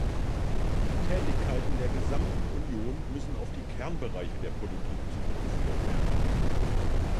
Die Tätigkeiten der gesamten Union müssen auf die Kernbereiche der Politik zurückgeführt werden.